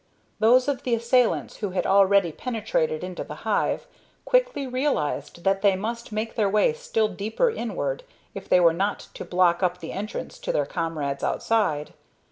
Those of the assailants who had already penetrated into the hive quickly realized that they must make their way still deeper inward if they were not to block up the entrance to their comrades outside.